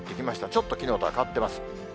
ちょっときのうとは変わってます。